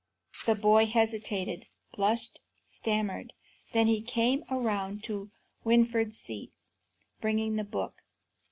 The boy hesitated, blushed, stammered; then he came around to Winfried's seat, bringing the book.